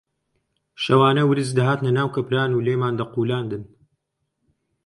شەوانە ورچ دەهاتنە ناو کەپران و لێمان دەقوولاندن